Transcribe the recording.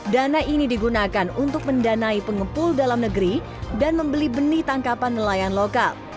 dana ini digunakan untuk mendanai pengepul dalam negeri dan membeli benih tangkapan nelayan lokal